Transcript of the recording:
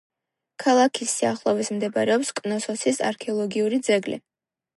ქალაქის სიახლოვეს მდებარეობს კნოსოსის არქეოლოგიური ძეგლი.